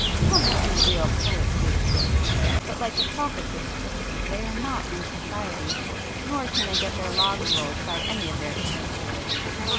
One or two real poets do exist, but, like the prophets of Scripture, they are not 'in society,' nor can they get their logs rolled by any of their contemporaries.